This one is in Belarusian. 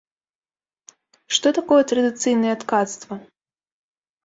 Што такое традыцыйнае ткацтва?